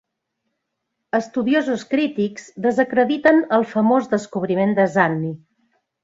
Estudiosos crítics desacrediten el famós descobriment de Zani.